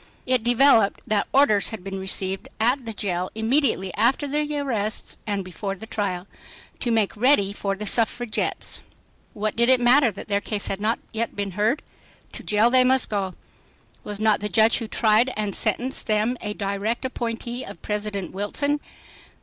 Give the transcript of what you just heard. It developed that "orders" had been received at the jail immediately after the arrests and before the trial, "to make ready for the suffragettes." What did it matter that their case had not yet been heard? To jail they must go. Was not the judge who tried and sentenced them a direct appointee of President Wilson?